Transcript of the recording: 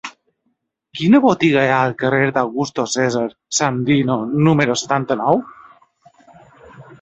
Quina botiga hi ha al carrer d'Augusto César Sandino número setanta-nou?